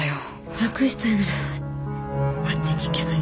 楽したいならあっちに行けばいい。